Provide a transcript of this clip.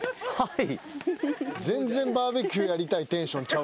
全然バーベキューやりたいテンションちゃう。